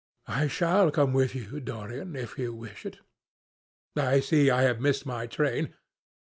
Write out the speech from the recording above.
"I shall come with you, Dorian, if you wish it. I see I have missed my train.